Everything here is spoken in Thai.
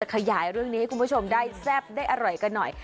ขยายเรื่องนี้ให้คุณผู้ชมได้แซ่บได้อร่อยกันหน่อย